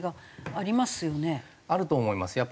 あると思います。